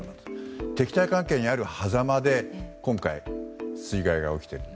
敵対関係にあるはざまで今回、水害が起きていると。